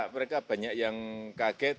mereka banyak yang kaget